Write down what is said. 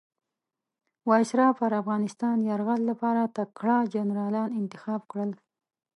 وایسرا پر افغانستان یرغل لپاره تکړه جنرالان انتخاب کړل.